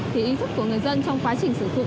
thì ý thức của người dân trong quá trình sử dụng